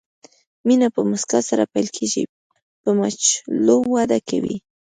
مینه په مسکا سره پیل کېږي، په مچولو وده کوي.